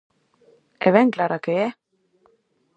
E ben clara que é...!